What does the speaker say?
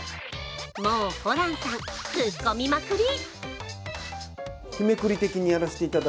もうホランさん、突っ込みまくり。